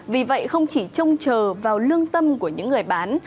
vì vậy không chỉ trông chờ vào lương tâm của những người bán